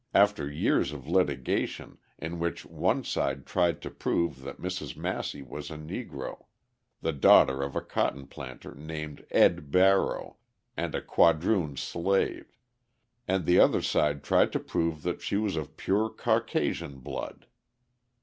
after years of litigation, in which one side tried to prove that Mrs. Massey was a Negro, the daughter of a cotton planter named "Ed" Barrow, and a quadroon slave, and the other side tried to prove that she was of pure Caucasian blood.